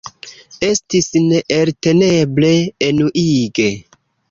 Estis neelteneble enuige.